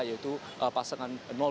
yaitu pasangan nomor satu